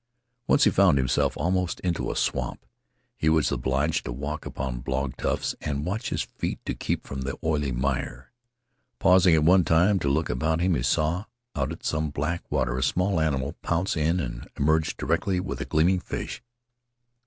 Once he found himself almost into a swamp. He was obliged to walk upon bog tufts and watch his feet to keep from the oily mire. Pausing at one time to look about him he saw, out at some black water, a small animal pounce in and emerge directly with a gleaming fish.